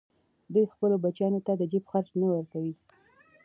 دوی خپلو بچیانو ته د جېب خرڅ نه ورکوي